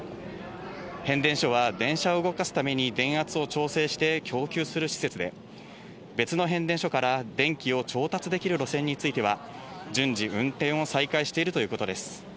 変電所は電車を動かすために電圧を調整して供給する施設で、別の変電所から電気を調達できる路線については、順次、運転を再開しているということです。